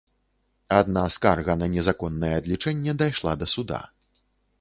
Адна скарга на незаконнае адлічэнне дайшла да суда.